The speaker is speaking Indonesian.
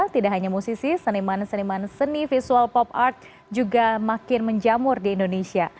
tidak hanya musisi seniman seniman seni visual pop art juga makin menjamur di indonesia